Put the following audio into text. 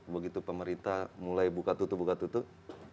begitu pemerintah mulai buka tutup buka tutup